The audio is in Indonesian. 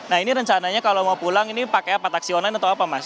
nah ini rencananya kalau mau pulang ini pakai apa taksi online atau apa mas